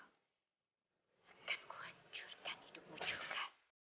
akan kuhancurkan hidupmu juga